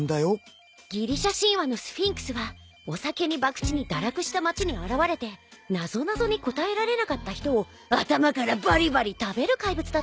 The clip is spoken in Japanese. ギリシャ神話のスフィンクスはお酒にばくちに堕落した町に現れてなぞなぞに答えられなかった人を頭からバリバリ食べる怪物だったんだって。